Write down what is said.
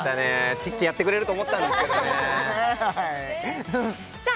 チッチやってくれると思ったんですけどねさあ